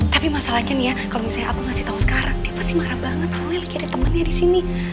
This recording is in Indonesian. tapi masalahnya nih ya kalau misalnya aku ngasih tau sekarang dia pasti marah banget soalnya lagi ada temennya di sini